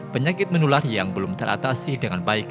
penyakit menular yang belum teratasi dengan baik